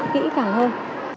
kỹ càng hơn